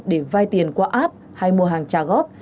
để vay tiền qua app hay mua hàng trả góp